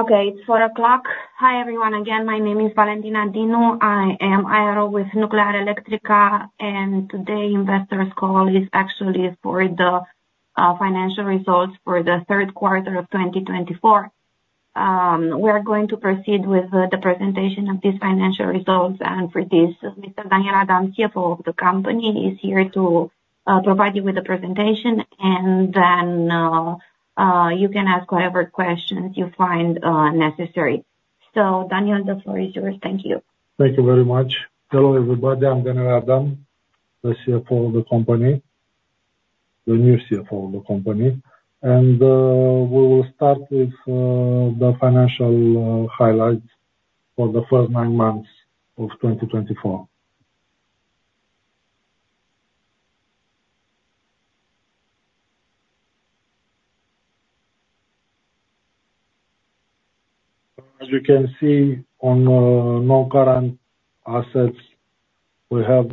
Okay, it's 4:00 P.M. Hi, everyone again. My name is Valentina Dinu. I am IRO with Nuclearelectrica, and today's investors' call is actually for the financial results for the third quarter of 2024. We are going to proceed with the presentation of these financial results, and for this, Mr. Daniel Adam, CFO of the company, is here to provide you with the presentation, and then you can ask whatever questions you find necessary. So, Daniel, the floor is yours. Thank you. Thank you very much. Hello, everybody. I'm Daniel Adam, the CFO of the company, the new CFO of the company. And we will start with the financial highlights for the first nine months of 2024. As you can see, on non-current assets, we have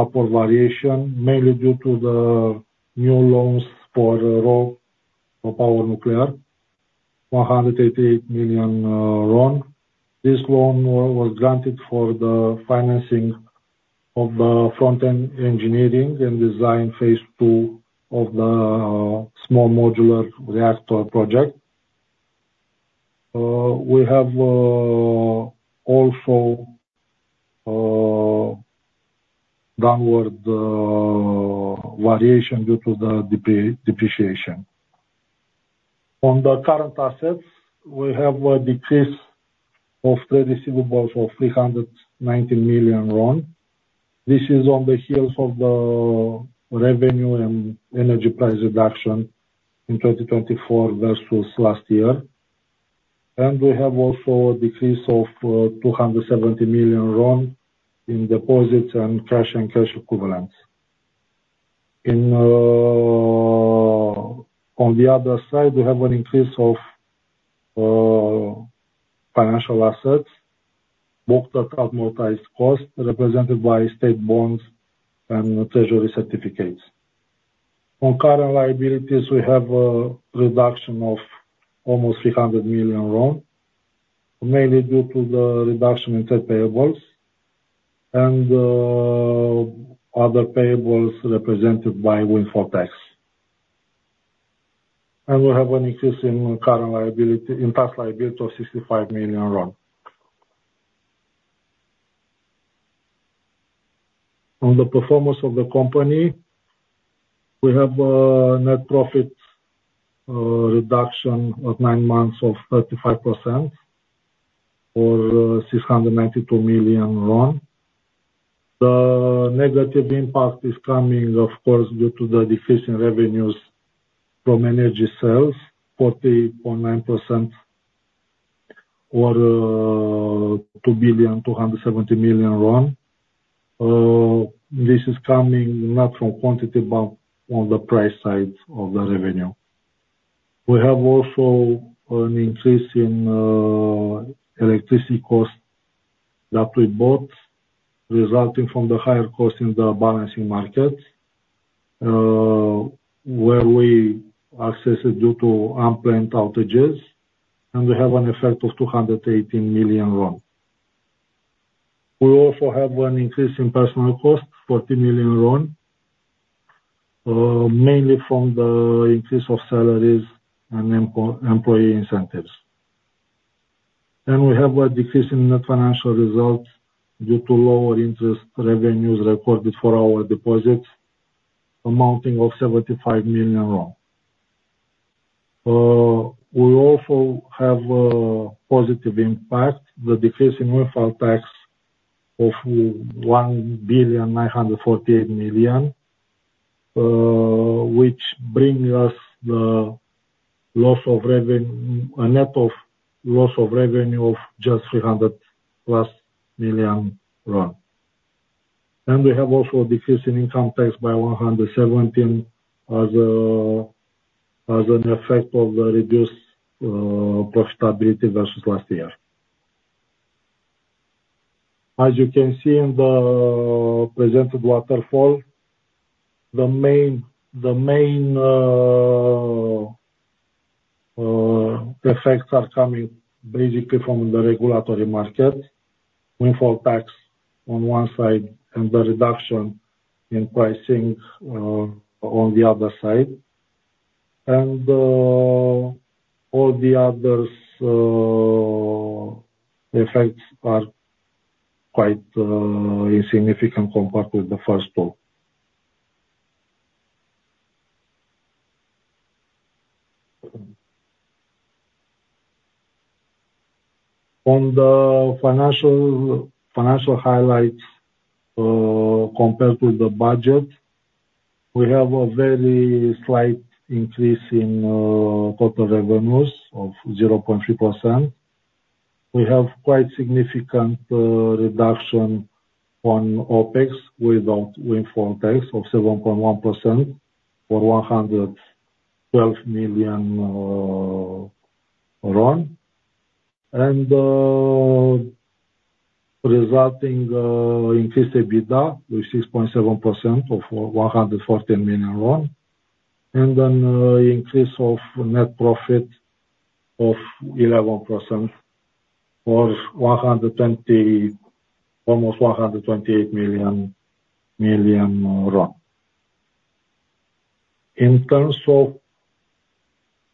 upward variation, mainly due to the new loans for RoPower Nuclear, RON 188 million. This loan was granted for the financing of the front-end engineering and design phase two of the small modular reactor project. We have also downward variation due to the depreciation. On the current assets, we have a decrease of credit receivables of RON 390 million. This is on the heels of the revenue and energy price reduction in 2024 versus last year. And we have also a decrease of RON 270 million in deposits and cash and cash equivalents. On the other side, we have an increase of financial assets, booked at amortized cost, represented by state bonds and treasury certificates. On current liabilities, we have a reduction of almost 300 million RON, mainly due to the reduction in state payables and other payables represented by windfall tax. And we have an increase in tax liability of 65 million RON. On the performance of the company, we have a net profit reduction of nine months of 35% or 692 million RON. The negative impact is coming, of course, due to the decrease in revenues from energy sales, 40.9% or 2,270 million RON. This is coming not from quantity, but on the price side of the revenue. We have also an increase in electricity costs that we bought, resulting from the higher cost in the balancing markets, where we accessed due to unplanned outages, and we have an effect of 218 million RON. We also have an increase in personnel costs, 40 million RON, mainly from the increase of salaries and employee incentives. We have a decrease in net financial results due to lower interest revenues recorded for our deposits, amounting to 75 million RON. We also have a positive impact, the decrease in windfall tax of 1,948 million, which brings us a net loss of revenue of just 300-plus million RON. We also have a decrease in income tax by 117 as an effect of the reduced profitability versus last year. As you can see in the presented waterfall, the main effects are coming basically from the regulatory market, windfall tax on one side, and the reduction in pricing on the other side, and all the other effects are quite insignificant compared with the first two. On the financial highlights, compared to the budget, we have a very slight increase in total revenues of 0.3%. We have quite significant reduction on OPEX without windfall tax of 7.1% or 112 million RON, and resulting increased EBITDA with 6.7% of 114 million RON, and an increase of net profit of 11% or almost 128 million RON. In terms of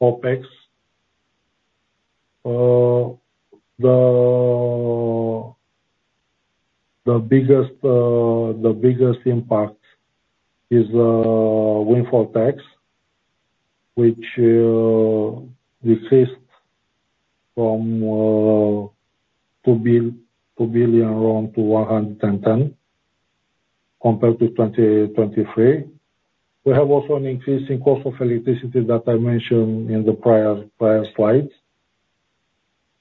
OPEX, the biggest impact is windfall tax, which decreased from 2 billion RON to 110 compared to 2023. We have also an increase in cost of electricity that I mentioned in the prior slides.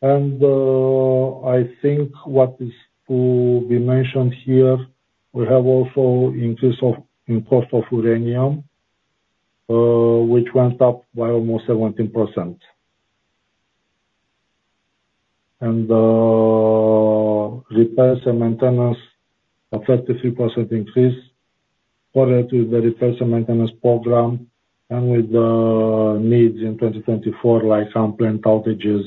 I think what is to be mentioned here, we have also an increase in cost of uranium, which went up by almost 17%. Repairs and maintenance affected 3% increase compared to the repairs and maintenance program and with the needs in 2024, like unplanned outages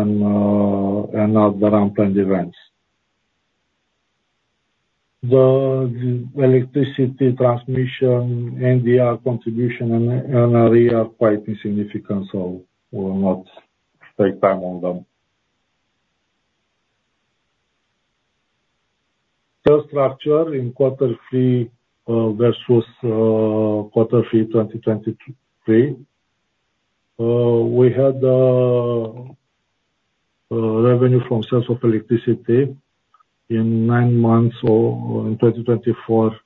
and other unplanned events. The electricity transmission, ANDR contribution, and ANRE are quite insignificant, so we will not take time on them. P&L structure in quarter three versus quarter three 2023. We had revenue from sales of electricity in nine months in 2024,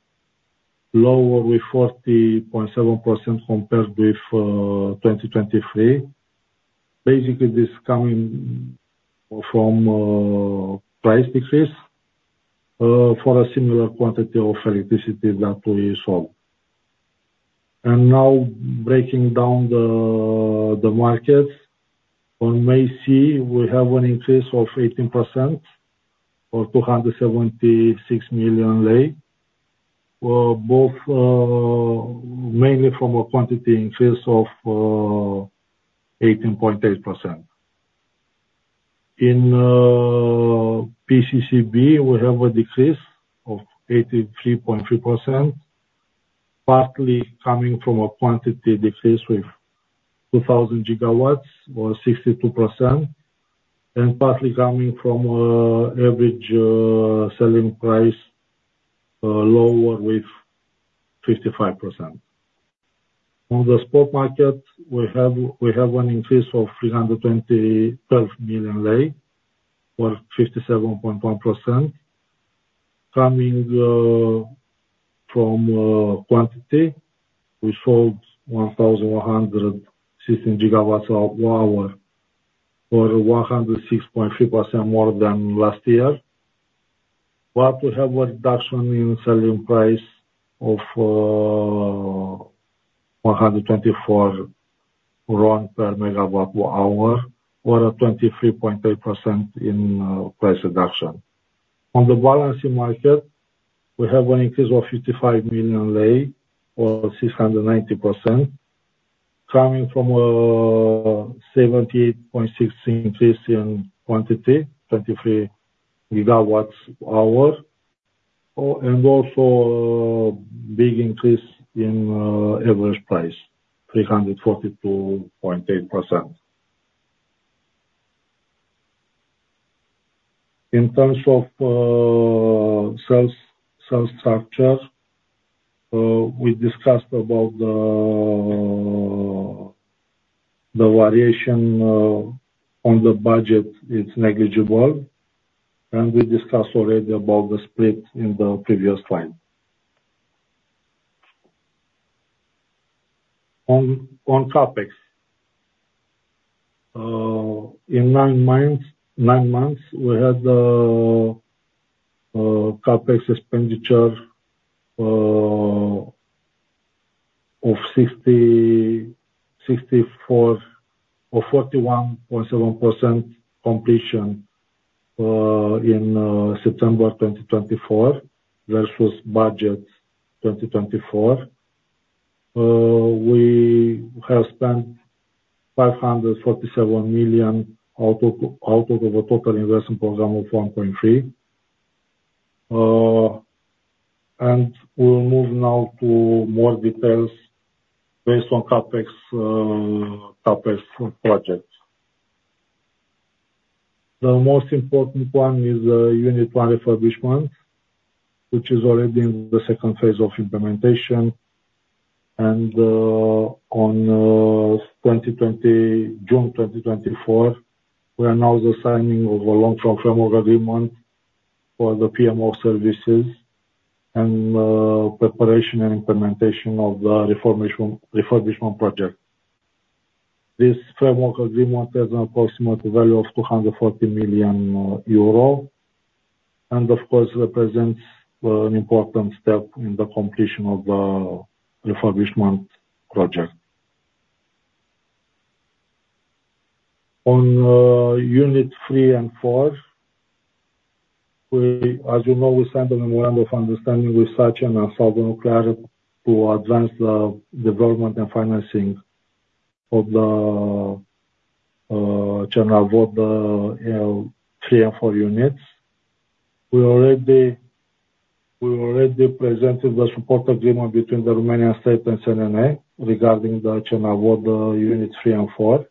lower with 40.7% compared with 2023. Basically, this is coming from price decrease for a similar quantity of electricity that we sold. Now, breaking down the markets, on MACEE, we have an increase of 18% or 276 million Lei, mainly from a quantity increase of 18.8%. In PCCB, we have a decrease of 83.3%, partly coming from a quantity decrease with 2,000 gigawatts or 62%, and partly coming from average selling price lower with 55%. On the spot market, we have an increase of 320 million Lei or 57.1%, coming from quantity. We sold 1,116 gigawatt-hours, or 106.3% more than last year, but we have a reduction in selling price of 124 RON per megawatt hour, or 23.3% in price reduction. On the balancing market, we have an increase of 55 million Lei or 690%, coming from a 78.6% increase in quantity, 23 gigawatts hour, and also a big increase in average price, 342.8%. In terms of sales structure, we discussed about the variation on the budget. It's negligible, and we discussed already about the split in the previous slide. On CAPEX, in nine months, we had CAPEX expenditure of 41.7% completion in September 2024 versus budget 2024. We have spent 547 million RON out of a total investment program of 1.3 billion RON, and we'll move now to more details based on CAPEX projects. The most important one is Unit 1 refurbishment, which is already in the second phase of implementation, and on June 2024, we are now signing a long-term framework agreement for the PMO services and preparation and implementation of the refurbishment project. This framework agreement has an approximate value of 240 million euro and, of course, represents an important step in the completion of the refurbishment project. On Units 3 and 4, as you know, we signed a memorandum of understanding with Sargent & Lundy and Ansaldo Nucleare to advance the development and financing of the Cernavoda 3 and 4 units. We already presented the support agreement between the Romanian state and Nuclearelectrica regarding the Cernavoda Units 3 and 4.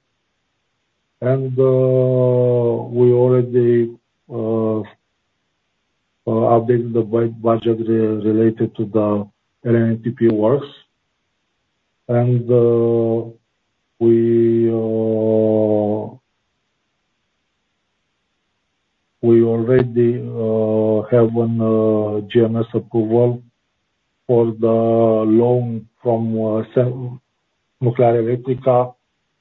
And we already updated the budget related to the LNTP works. And we already have a GMS approval for the loan from Nuclearelectrica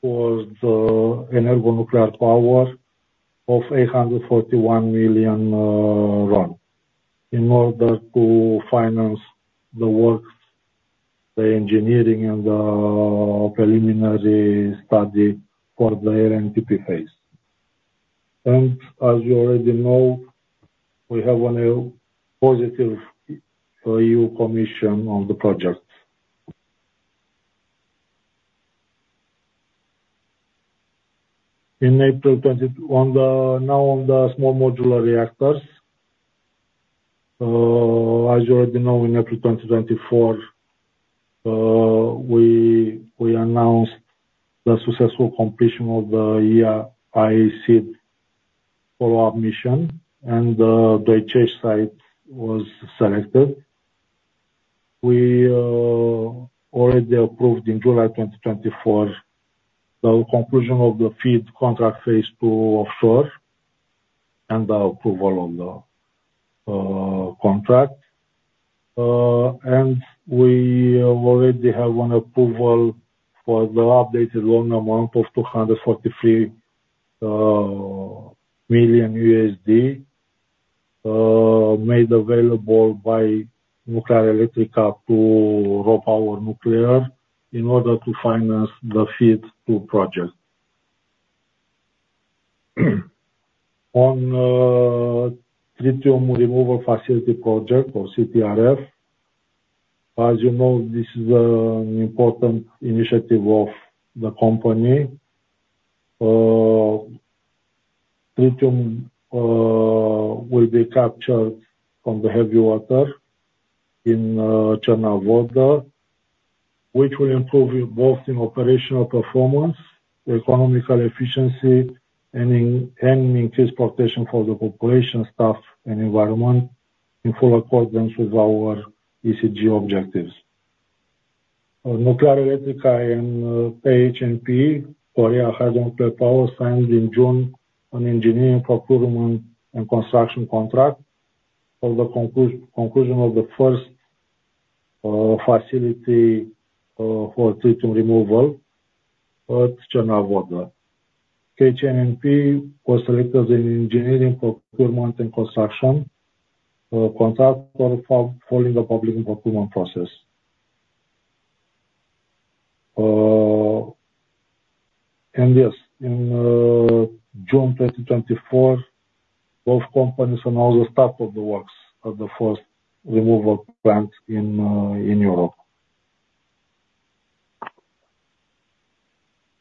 for the EnergoNuclear power of RON 841 million in order to finance the works, the engineering, and the preliminary study for the LNTP phase. And as you already know, we have a positive EU Commission on the project. Now, on the small modular reactors, as you already know, in April 2024, we announced the successful completion of the IAEA follow-up mission, and the Doicești site was selected. We already approved in July 2024 the conclusion of the FEED contract phase two offshore and the approval of the contract. We already have an approval for the updated loan amount of $243 million made available by Nuclearelectrica to RoPower Nuclear in order to finance the FEED 2 project. On the tritium removal facility project, or CTRF, as you know, this is an important initiative of the company. Tritium will be captured from the heavy water in Cernavoda, which will improve both in operational performance, economical efficiency, and increase protection for the population, staff, and environment in full accordance with our ESG objectives. Nuclearelectrica and KHNP, Korea Hydro & Nuclear Power, signed in June an engineering procurement and construction contract for the construction of the first facility for tritium removal at Cernavoda. KHNP was selected as an engineering procurement and construction contractor following the public procurement process. And yes, in June 2024, both companies announced the start of the works at the first removal plant in Europe.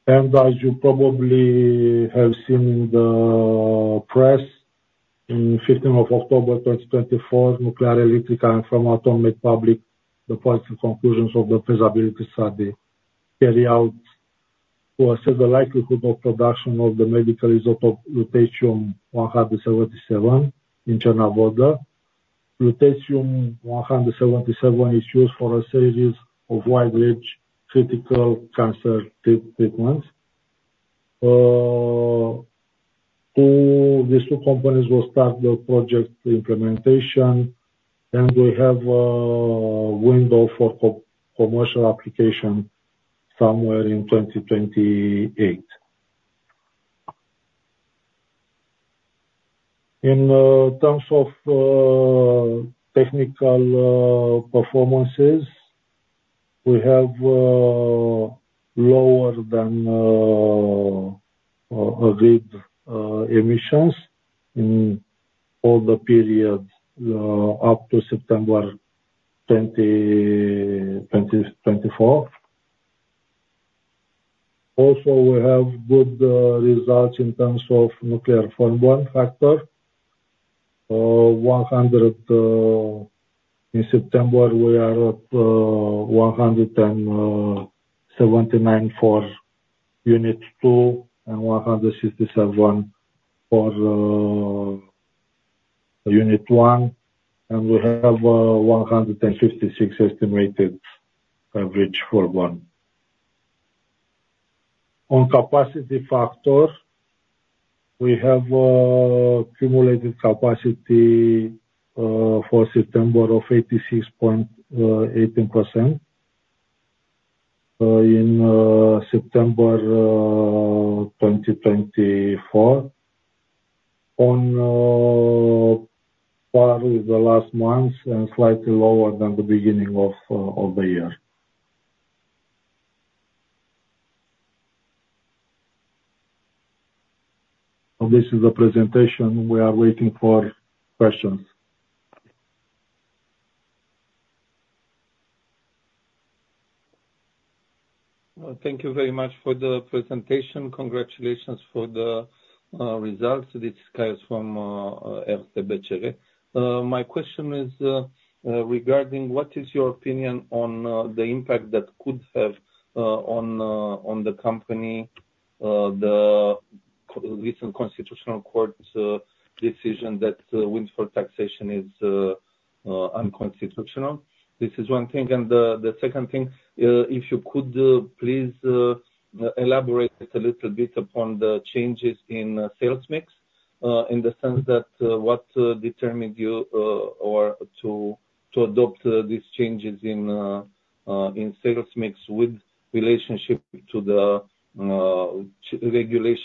As you probably have seen in the press, on 15 October 2024, Nuclearelectrica and Framatome made public the final conclusions of the feasibility study carried out to assess the likelihood of production of the medical isotope Lutetium-177 in Cernavoda. Lutetium-177 is used for a series of wide-range critical cancer treatments. These two companies will start the project implementation, and we have a window for commercial application somewhere in 2028. In terms of technical performances, we have lower than agreed emissions in all the period up to September 2024. Also, we have good results in terms of capacity factor. In September, we are at 179 for Unit 2 and 167 for Unit 1, and we have 156 estimated average for 1. On capacity factor, we have accumulated capacity for September of 86.18% in September 2024, higher than in the last months and slightly lower than the beginning of the year. This is the presentation. We are waiting for questions. Thank you very much for the presentation. Congratulations for the results. This is Ca from RCBC. My question is regarding what is your opinion on the impact that could have on the company, the recent constitutional court decision that windfall taxation is unconstitutional. This is one thing. And the second thing, if you could please elaborate a little bit upon the changes in sales mix in the sense that what determined you to adopt these changes in sales mix with relationship to the regulation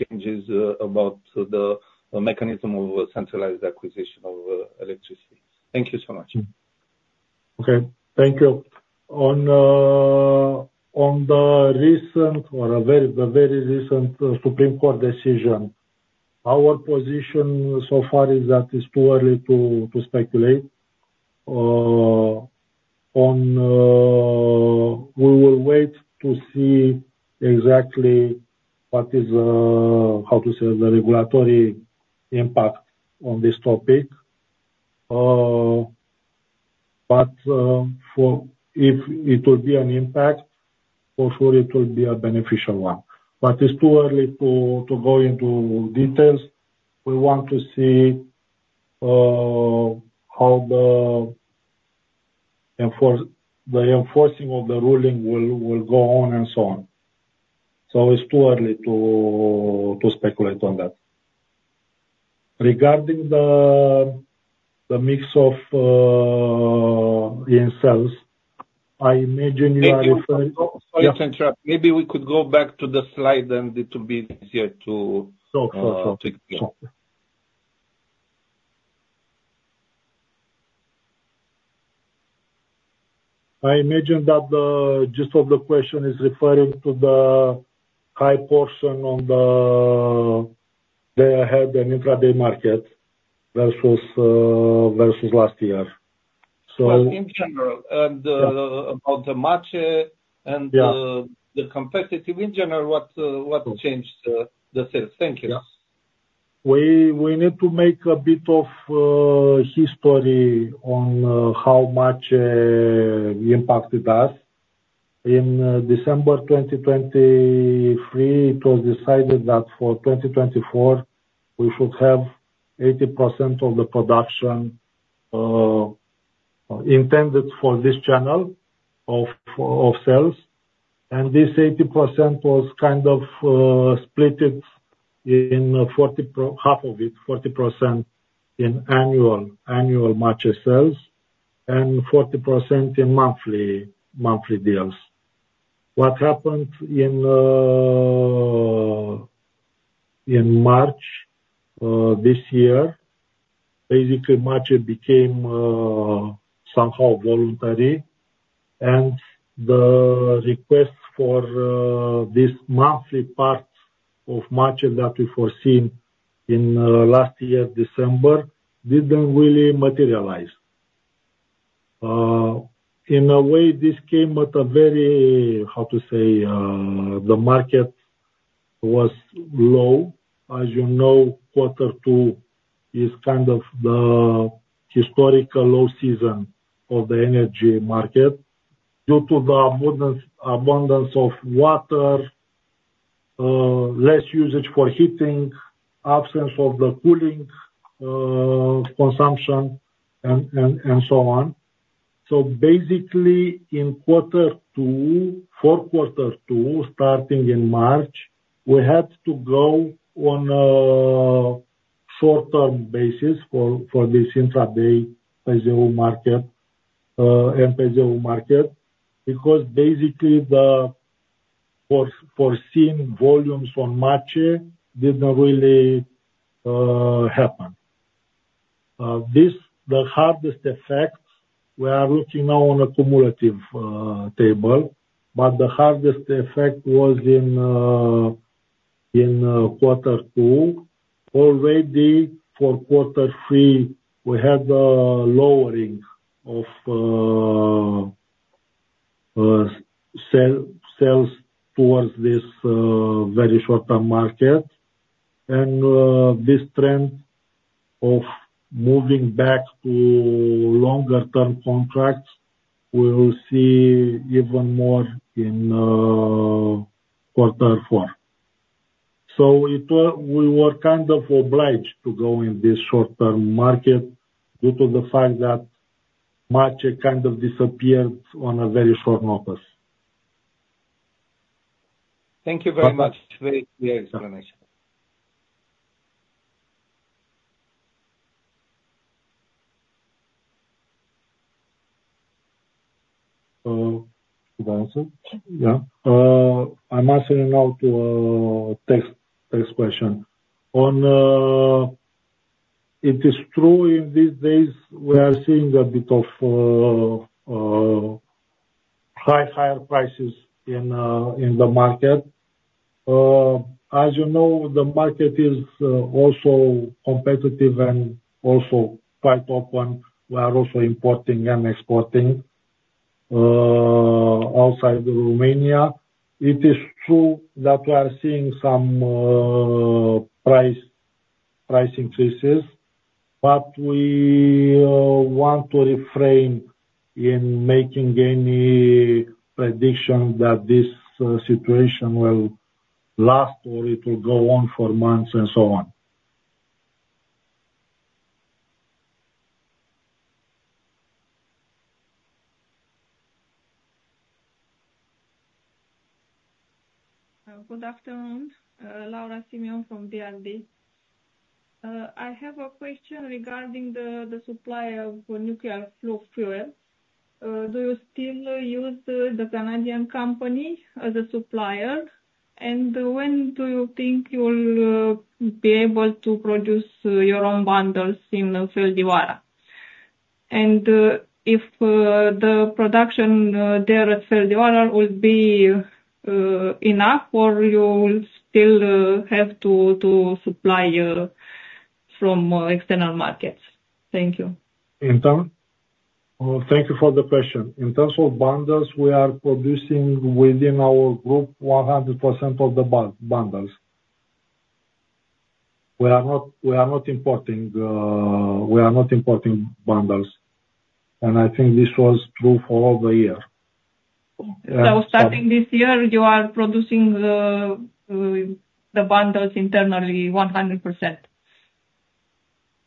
changes about the mechanism of centralized acquisition of electricity. Thank you so much. Okay. Thank you. On the recent or the very recent Supreme Court decision, our position so far is that it's too early to speculate. We will wait to see exactly what is, how to say, the regulatory impact on this topic. But if it will be an impact, for sure it will be a beneficial one. But it's too early to go into details. We want to see how the enforcing of the ruling will go on and so on. So it's too early to speculate on that. Regarding the mix in sales, I imagine you are referring. Sorry. Maybe we could go back to the slide, and it will be easier to. Sure. I imagine that the gist of the question is referring to the high portion on the day-ahead and intraday market versus last year. So. But in general. About the MACEE and the competition, in general, what changed the sales? Thank you. We need to make a bit of history on how MACEE impacted us. In December 2023, it was decided that for 2024, we should have 80% of the production intended for this channel of sales. And this 80% was kind of split in half of it, 40% in annual MACEE sales, and 40% in monthly deals. What happened in March this year, basically, MACEE became somehow voluntary. And the request for this monthly part of MACEE that we foreseen in last year, December, didn't really materialize. In a way, this came at a very, how to say, the market was low. As you know, quarter two is kind of the historical low season of the energy market due to the abundance of water, less usage for heating, absence of the cooling consumption, and so on. So basically, in quarter two for quarter two, starting in March, we had to go on a short-term basis for this intraday PZU market and PZU market because basically the foreseen volumes on MACEE didn't really happen. The hardest effect, we are looking now on a cumulative table, but the hardest effect was in quarter two. Already for quarter three, we had a lowering of sales towards this very short-term market. And this trend of moving back to longer-term contracts we will see even more in quarter four. So we were kind of obliged to go in this short-term market due to the fact that MACEE kind of disappeared on a very short notice. Thank you very much. Very clear explanation. I'm answering now to a text question. In these days, we are seeing a bit of higher prices in the market. As you know, the market is also competitive and also quite open. We are also importing and exporting outside of Romania. It is true that we are seeing some price increases, but we want to refrain in making any prediction that this situation will last or it will go on for months and so on. Good afternoon. Laura Simion from BRD. I have a question regarding the supply of nuclear fuel. Do you still use the Canadian company as a supplier? And when do you think you'll be able to produce your own bundles in Feldioara? And if the production there at Feldioara will be enough, or you will still have to supply from external markets? Thank you. In terms—well, thank you for the question. In terms of bundles, we are producing within our group 100% of the bundles. We are not importing. We are not importing bundles. I think this was true for all the year. Starting this year, you are producing the bundles internally 100%?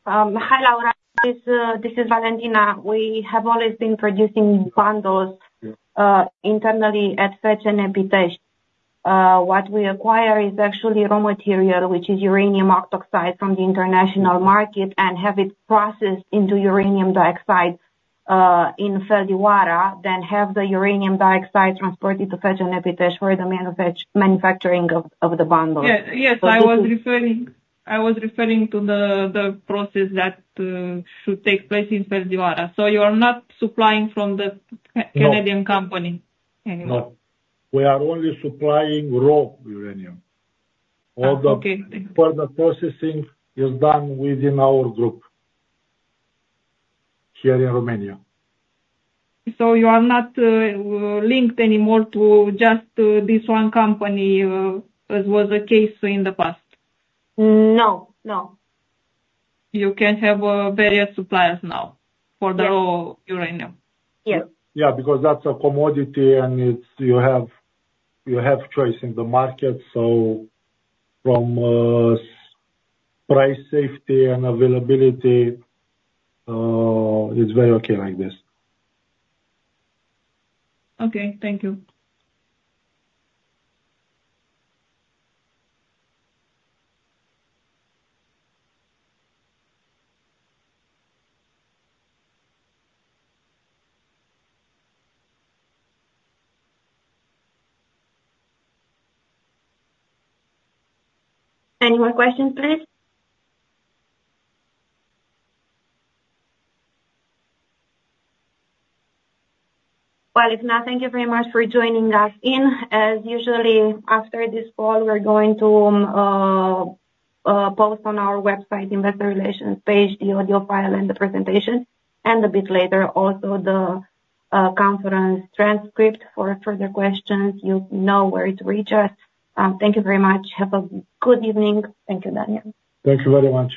Hi, Laura. This is Valentina. We have always been producing bundles internally at FCN Pitești. What we acquire is actually raw material, which is uranium oxide from the international market, and have it processed into uranium dioxide in Feldioara, then have the uranium dioxide transported to FCN Pitești for the manufacturing of the bundles. Yes. I was referring to the process that should take place in Feldioara. You are not supplying from the Canadian company anymore? No. We are only supplying raw uranium. All the further processing is done within our group here in Romania. You are not linked anymore to just this one company as was the case in the past? No. No. You can have various suppliers now for the raw uranium? Yes. Yeah. Because that's a commodity, and you have choice in the market. So from price safety and availability, it's very okay like this. Okay. Thank you. Any more questions, please? Well, if not, thank you very much for joining us. And as usual, after this call, we're going to post on our website investor relations page the audio file and the presentation. And a bit later, also the conference transcript for further questions. You know where to reach us. Thank you very much. Have a good evening. Thank you, Daniel. Thank you very much.